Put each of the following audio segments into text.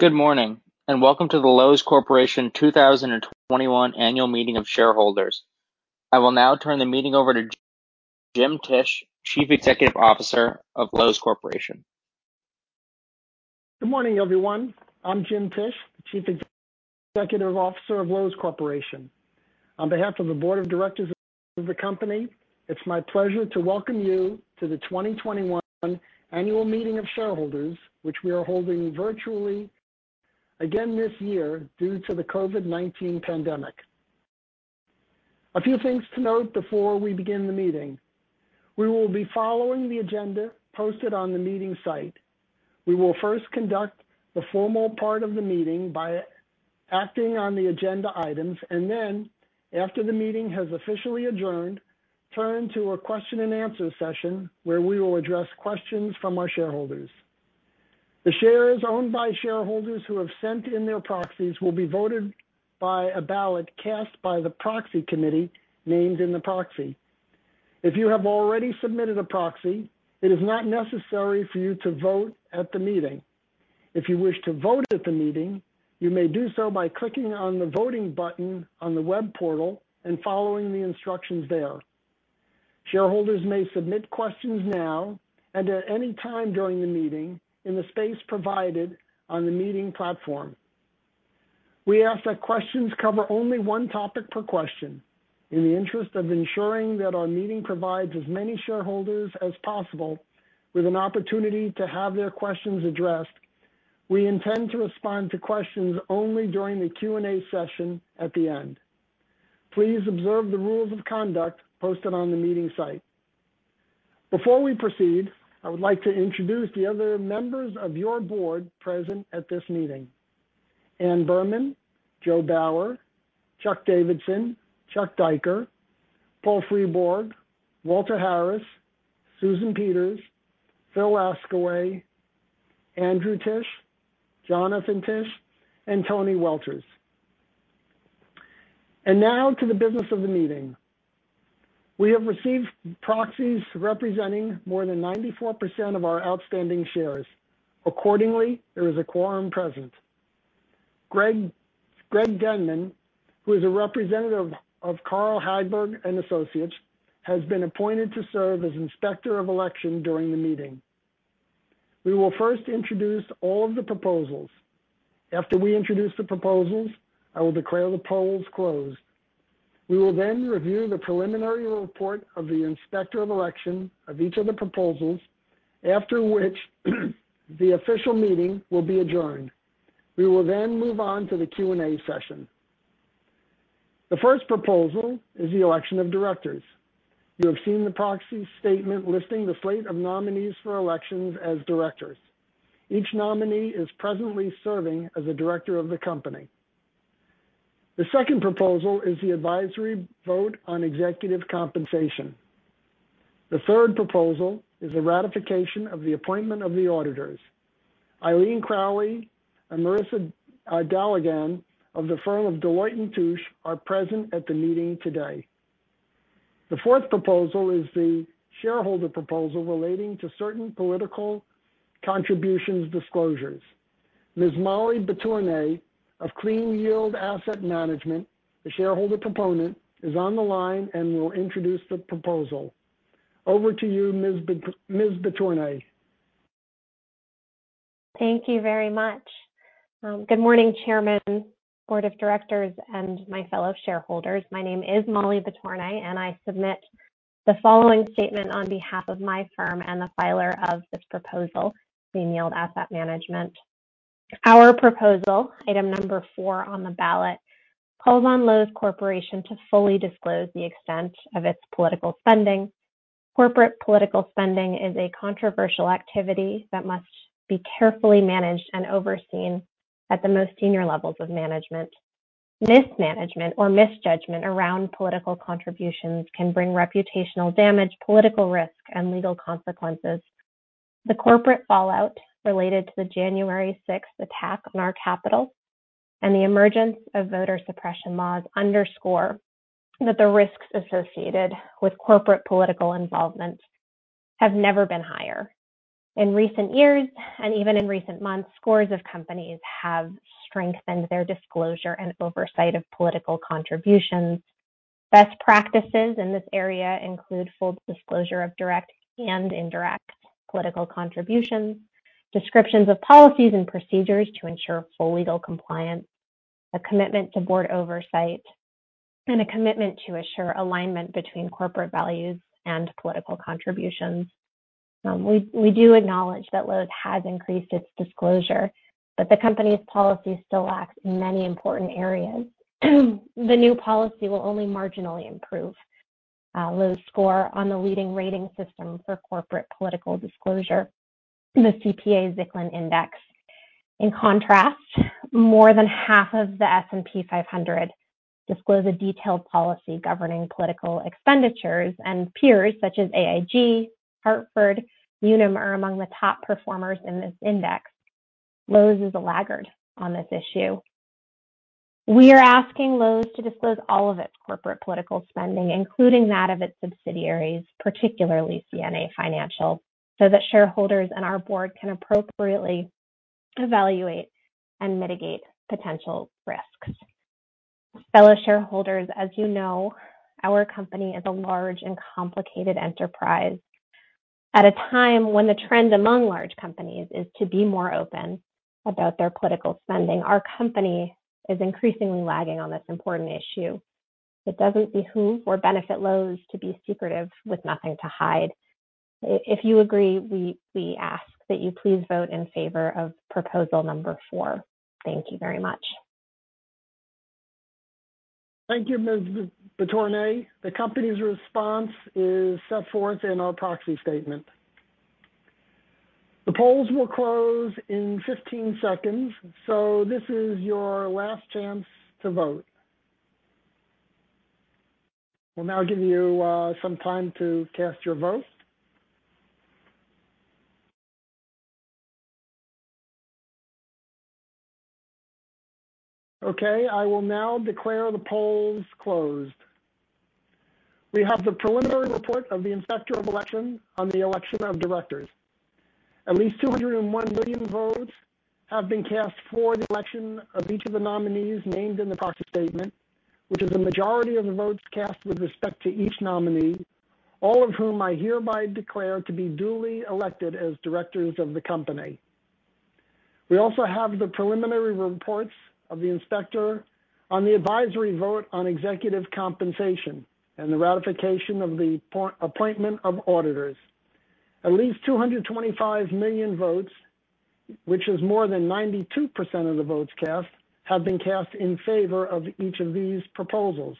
Good morning. Welcome to the Loews Corporation 2021 Annual Meeting of Shareholders. I will now turn the meeting over to Jim Tisch, Chief Executive Officer of Loews Corporation. Good morning, everyone. I'm Jim Tisch, Chief Executive Officer of Loews Corporation. On behalf of the Board of Directors of the company, it's my pleasure to welcome you to the 2021 Annual Meeting of Shareholders, which we are holding virtually again this year due to the COVID-19 pandemic. A few things to note before we begin the meeting. We will be following the agenda posted on the meeting site. We will first conduct the formal part of the meeting by acting on the agenda items, and then, after the meeting has officially adjourned, turn to a question and answer session where we will address questions from our shareholders. The shares owned by shareholders who have sent in their proxies will be voted by a ballot cast by the proxy committee named in the proxy. If you have already submitted a proxy, it is not necessary for you to vote at the meeting. If you wish to vote at the meeting, you may do so by clicking on the Voting button on the web portal and following the instructions there. Shareholders may submit questions now and at any time during the meeting in the space provided on the meeting platform. We ask that questions cover only one topic per question. In the interest of ensuring that our meeting provides as many shareholders as possible with an opportunity to have their questions addressed, we intend to respond to questions only during the Q&A session at the end. Please observe the rules of conduct posted on the meeting site. Before we proceed, I would like to introduce the other members of your board present at this meeting. Ann Berman, Joseph L. Bower, Charles D. Davidson, Charles M. Diker, Paul J. Fribourg, Walter L. Harris, Susan Peters, Philip A. Laskawy, Andrew Tisch, Jonathan Tisch, and Anthony Welters. Now to the business of the meeting. We have received proxies representing more than 94% of our outstanding shares. Accordingly, there is a quorum present. Greg Denman, who is a representative of CT Hagberg & Associates, has been appointed to serve as Inspector of Election during the meeting. We will first introduce all of the proposals. After we introduce the proposals, I will declare the polls closed. We will then review the preliminary report of the Inspector of Election of each of the proposals, after which the official meeting will be adjourned. We will then move on to the Q&A session. The first proposal is the election of directors. You have seen the proxy statement listing the slate of nominees for election as directors. Each nominee is presently serving as a director of the company. The second proposal is the advisory vote on executive compensation. The third proposal is the ratification of the appointment of the auditors. Eileen Crowley and Marissa Daligan of the firm of Deloitte & Touche are present at the meeting today. The fourth proposal is the shareholder proposal relating to certain political contributions disclosures. Ms. Molly Betournay of Clean Yield Asset Management, the shareholder proponent, is on the line and will introduce the proposal. Over to you, Ms. Betournay. Thank you very much. Good morning, chairman, board of directors, and my fellow shareholders. My name is Molly Betournay, and I submit the following statement on behalf of my firm and the filer of this proposal, Clean Yield Asset Management. Our proposal, item number four on the ballot, calls on Loews Corporation to fully disclose the extent of its political spending. Corporate political spending is a controversial activity that must be carefully managed and overseen at the most senior levels of management. Mismanagement or misjudgment around political contributions can bring reputational damage, political risk, and legal consequences. The corporate fallout related to the January 6th attack on our Capitol and the emergence of voter suppression laws underscore that the risks associated with corporate political involvement have never been higher. In recent years, and even in recent months, scores of companies have strengthened their disclosure and oversight of political contributions. Best practices in this area include full disclosure of direct and indirect political contributions, descriptions of policies and procedures to ensure full legal compliance, a commitment to board oversight, and a commitment to assure alignment between corporate values and political contributions. We do acknowledge that Loews has increased its disclosure, but the company's policy still lacks in many important areas. The new policy will only marginally improve Loews' score on the leading rating system for corporate political disclosure, the CPA-Zicklin Index. In contrast, more than half of the S&P 500 disclose a detailed policy governing political expenditures, and peers such as AIG, Hartford, Munich Re are among the top performers in this index. Loews is a laggard on this issue. We are asking Loews to disclose all of its corporate political spending, including that of its subsidiaries, particularly CNA Financial, so that shareholders and our board can appropriately evaluate and mitigate potential risks. Fellow shareholders, as you know, our company is a large and complicated enterprise. At a time when the trend among large companies is to be more open about their political spending, our company is increasingly lagging on this important issue. It doesn't behoove or benefit Loews to be secretive with nothing to hide. If you agree, we ask that you please vote in favor of proposal number four. Thank you very much. Thank you, Ms. Betournay. The company's response is set forth in our proxy statement. The polls will close in 15 seconds, so this is your last chance to vote. We'll now give you some time to cast your vote. Okay, I will now declare the polls closed. We have the preliminary report of the Inspector of Election on the election of directors. At least 201 million votes have been cast for the election of each of the nominees named in the proxy statement, which is a majority of the votes cast with respect to each nominee, all of whom I hereby declare to be duly elected as directors of the company. We also have the preliminary reports of the inspector on the advisory vote on executive compensation, and the ratification of the appointment of auditors. At least 225 million votes, which is more than 92% of the votes cast, have been cast in favor of each of these proposals.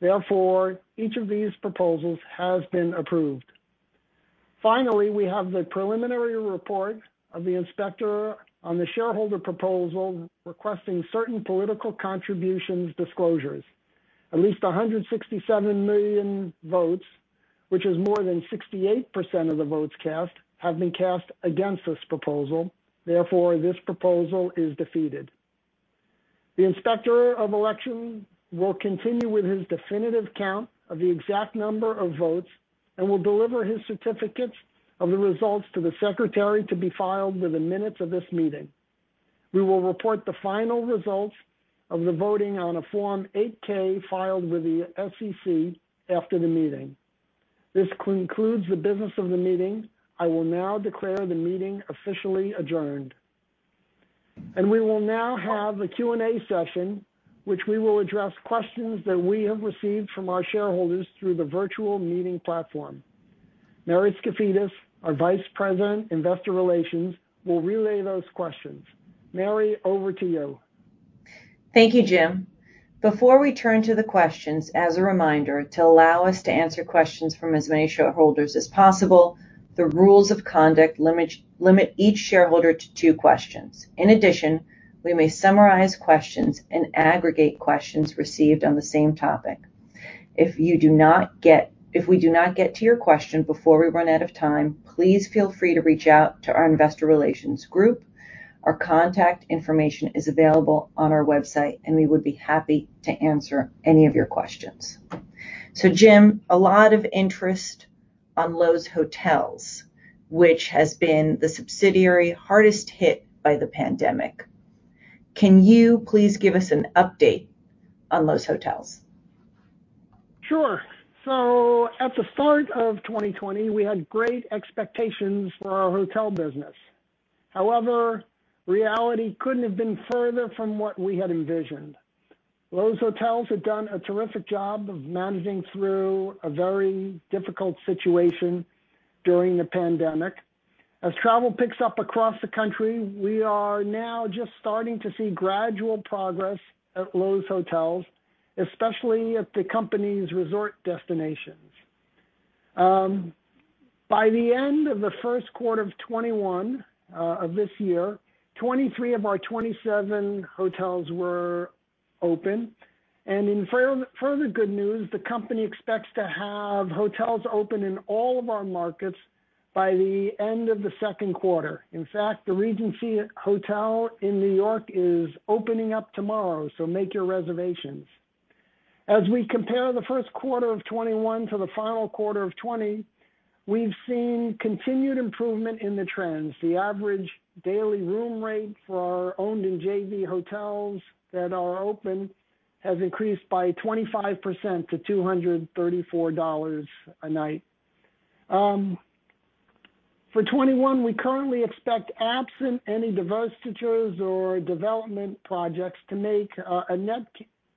Therefore, each of these proposals has been approved. Finally, we have the preliminary report of the Inspector on the shareholder proposal requesting certain political contributions disclosures. At least 167 million votes, which is more than 68% of the votes cast, have been cast against this proposal. Therefore, this proposal is defeated. The Inspector of Election will continue with his definitive count of the exact number of votes and will deliver his certificates of the results to the Secretary to be filed with the minutes of this meeting. We will report the final results of the voting on a Form 8-K filed with the SEC after the meeting. This concludes the business of the meeting. I will now declare the meeting officially adjourned. We will now have a Q&A session, which we will address questions that we have received from our shareholders through the virtual meeting platform. Mary Skafidas, our Vice President, Investor Relations, will relay those questions. Mary, over to you. Thank you, Jim. Before we turn to the questions, as a reminder, to allow us to answer questions from as many shareholders as possible, the rules of conduct limit each shareholder to two questions. In addition, we may summarize questions and aggregate questions received on the same topic. If we do not get to your question before we run out of time, please feel free to reach out to our investor relations group. Our contact information is available on our website, and we would be happy to answer any of your questions. Jim, a lot of interest on Loews Hotels, which has been the subsidiary hardest hit by the pandemic. Can you please give us an update on Loews Hotels? Sure. At the start of 2020, we had great expectations for our hotel business. However, reality couldn't have been further from what we had envisioned. Loews Hotels had done a terrific job of managing through a very difficult situation during the pandemic. As travel picks up across the country, we are now just starting to see gradual progress at Loews Hotels, especially at the company's resort destinations. By the end of the first quarter of 2021, of this year, 23 of our 27 hotels were open. In further good news, the company expects to have hotels open in all of our markets by the end of the second quarter. In fact, the Regency Hotel in New York is opening up tomorrow, so make your reservations. As we compare the first quarter of 2021 to the final quarter of 2020, we've seen continued improvement in the trends. The average daily room rate for our owned and JV hotels that are open has increased by 25% to $234 a night. For 2021, we currently expect, absent any divestitures or development projects, to make a net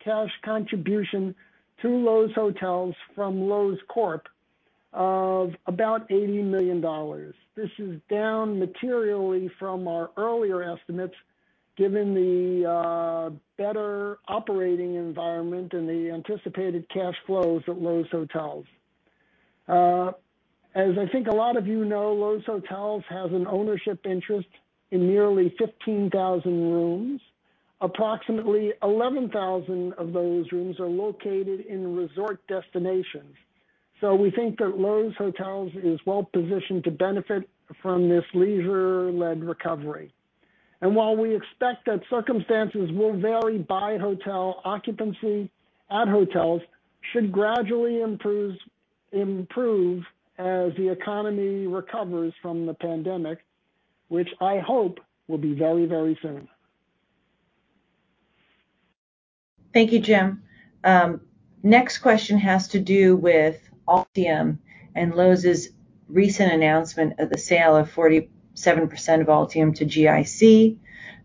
cash contribution to Loews Hotels from Loews Corp of about $80 million. This is down materially from our earlier estimates, given the better operating environment and the anticipated cash flows at Loews Hotels. As I think a lot of you know, Loews Hotels has an ownership interest in nearly 15,000 rooms. Approximately 11,000 of those rooms are located in resort destinations. We think that Loews Hotels is well-positioned to benefit from this leisure-led recovery. While we expect that circumstances will vary by hotel, occupancy at hotels should gradually improve as the economy recovers from the pandemic, which I hope will be very soon. Thank you, Jim. Next question has to do with Altium and Loews' recent announcement of the sale of 47% of Altium to GIC.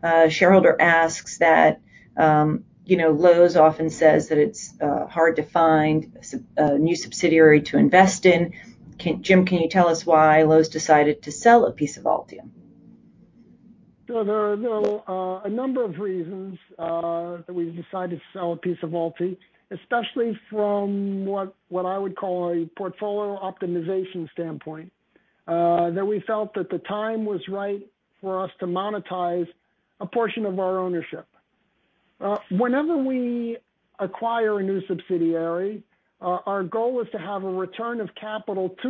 A shareholder asks that, Loews often says that it's hard to find a new subsidiary to invest in. Jim, can you tell us why Loews decided to sell a piece of Altium? There are a number of reasons that we decided to sell a piece of Altium, especially from what I would call a portfolio optimization standpoint, that we felt that the time was right for us to monetize a portion of our ownership. Whenever we acquire a new subsidiary, our goal is to have a return of capital to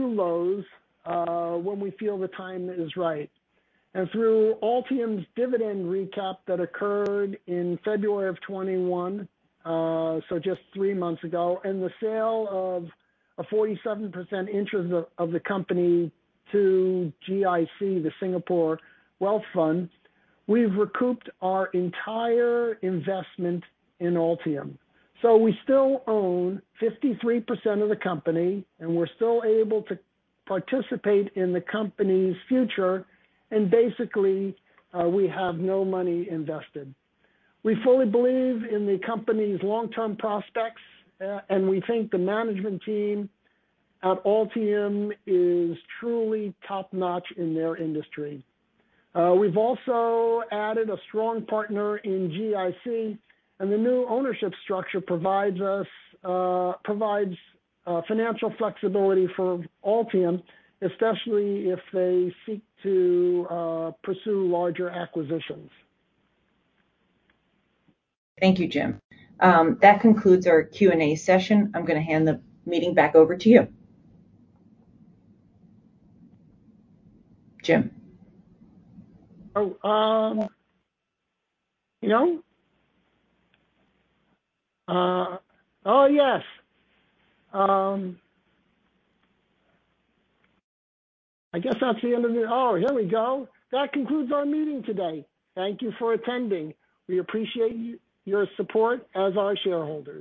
Loews when we feel the time is right. Through Altium's dividend recap that occurred in February of 2021, just three months ago, and the sale of a 47% interest of the company to GIC, the Singapore wealth fund, we've recouped our entire investment in Altium. We still own 53% of the company, and we're still able to participate in the company's future, and basically, we have no money invested. We fully believe in the company's long-term prospects, and we think the management team at Altium is truly top-notch in their industry. We've also added a strong partner in GIC, and the new ownership structure provides financial flexibility for Altium, especially if they seek to pursue larger acquisitions. Thank you, Jim. That concludes our Q&A session. I'm going to hand the meeting back over to you. Jim? Oh. No. Oh, yes. I guess that's the end of it. Oh, here we go. That concludes our meeting today. Thank you for attending. We appreciate your support as our shareholders.